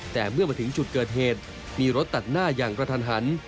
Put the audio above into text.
แต่เมื่อมาถึงจุดเกิดเหตุมีรถตัดหน้าอย่างกระทันหัน